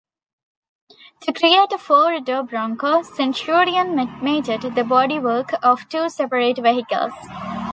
To create a four-door Bronco, Centurion mated the bodywork of two separate vehicles.